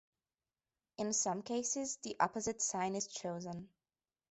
In some cases the opposite sign is chosen.